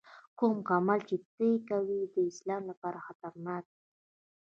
کوم عمل چې ته یې کوې د اسلام لپاره خطرناک دی.